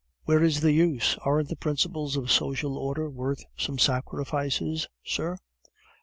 "Where is the use? Aren't the principles of social order worth some sacrifices, sir?"